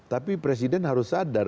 tapi presiden harus sadar